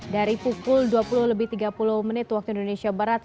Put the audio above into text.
dari pukul dua puluh lebih tiga puluh menit waktu indonesia barat